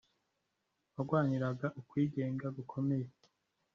warwaniraga ukwigenga gukomeye